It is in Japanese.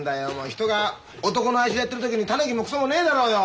人が男の哀愁やってる時にタヌキもクソもねえだろうよ！